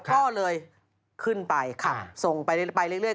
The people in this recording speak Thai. ก็เลยขึ้นไปขับส่งไปเรื่อย